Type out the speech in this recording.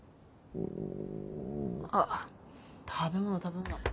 あっ食べ物食べ物。